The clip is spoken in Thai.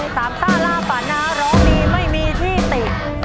สามซ่าล่าฝันนะร้องดีไม่มีที่ติด